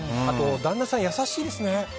旦那さん、優しいですね。